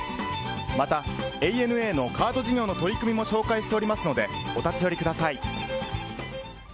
またＡＮＡのカード事業の取り組みも紹介しておりますので、お立ち寄りください。